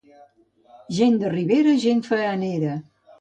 Gent de ribera, gent faenera.